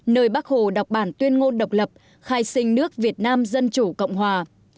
nơi bác hồ đọc bản tuyên ngôn độc lập khai sinh nước việt nam dân chủ cộng hòa